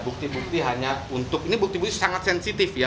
bukti bukti hanya untuk ini bukti bukti sangat sensitif ya